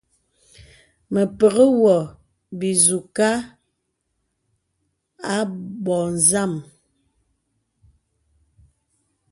Mə pəkŋì wɔ bìzùghā abɔ̄ɔ̄ zàm.